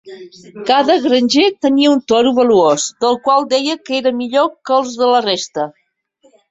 Cada granger tenia un toro valuós del qual deia que era millor que els de la resta.